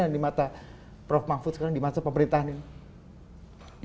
yang dimata prof mahfud sekarang di mata pemerintahan ini